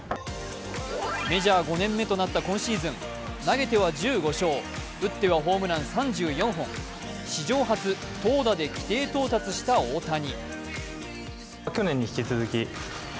メジャー５年目となった今シーズン投げては１５勝、打ってはホームラン３４本、史上初投打で規定到達した大谷。